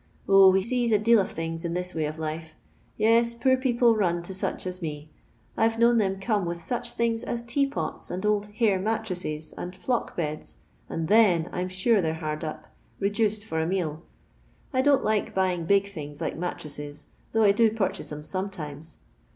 0, we sees a deal of things in this way of life. Yes, poor people run to such as me. I 've known them como with such things as teapots, and old hair mattresses, and flock beds, and t/u'n, I 'm &ure they 're hard up — reduced for a meal. I don't like buying big things like mattresses, though I do purchase 'em sometimes.